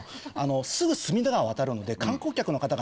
すぐ隅田川渡るので観光客の方々